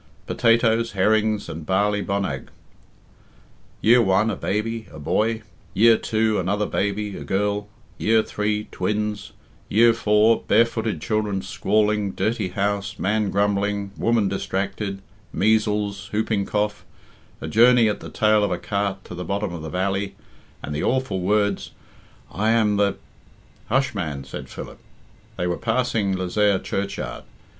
Potatoes, herrings, and barley bonnag. Year one, a baby, a boy; year two, another baby, a girl; year three, twins; year four, barefooted children squalling, dirty house, man grumbling, woman distracted, measles, hooping cough; a journey at the tail of a cart to the bottom of the valley, and the awful words 'I am the '" "Hush man!" said Philip. They were passing Lezayre churchyard.